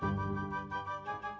itu banget kodok